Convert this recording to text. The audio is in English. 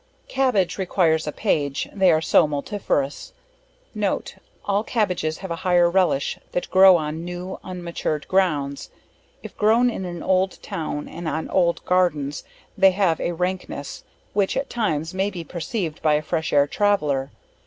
Cabbage, requires a page, they are so multifarious. Note, all Cabbages have a higher relish that grow on new unmatured grounds; if grown in an old town and on old gardens, they have a rankness, which at times, may be perceived by a fresh air traveller.